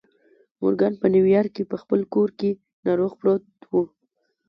مورګان په نيويارک کې په خپل کور کې ناروغ پروت و.